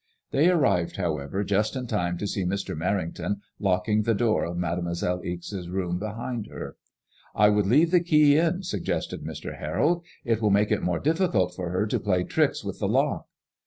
They arrived, however, just in time to see Mr. Merrington locking the door of Mademoiselle Ixe's room behind her. I would leave the key in," suggested Mr. Harold. It will make it more difficult for her to play tricks with the lock."